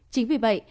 chính vì vậy